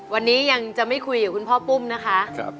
วันนี้ยังจะไม่คุยกับคุณพ่อปุ้มนะคะ